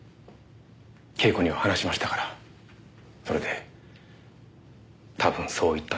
恵子には話しましたからそれで多分そう言ったんでしょう。